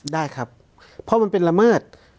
ได้ครับเพราะมันเป็นละเมิด